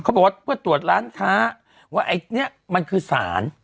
บอกว่าเพื่อตรวจร้านค้าว่าไอ้เนี่ยมันคือสาร